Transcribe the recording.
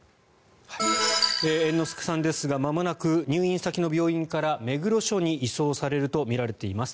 猿之助さんですがまもなく入院先の病院から目黒署に移送されるとみられています。